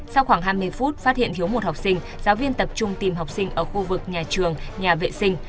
sau khoảng hai mươi phút phát hiện thiếu một học sinh giáo viên tập trung tìm học sinh ở khu vực nhà trường nhà vệ sinh